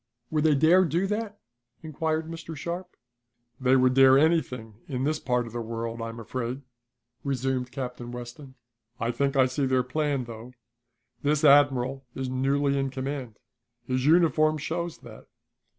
"Would they dare do that?" inquired Mr. Sharp. "They would dare anything in this part of the world, I'm afraid," resumed Captain Weston. "I think I see their plan, though. This admiral is newly in command; his uniform shows that.